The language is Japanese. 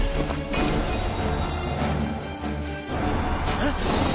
えっ？